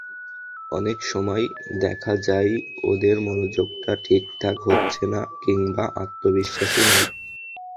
অনেক সময় দেখা যায় ওদের মনোযোগটা ঠিকঠাক হচ্ছে না, কিংবা আত্মবিশ্বাসী নয়।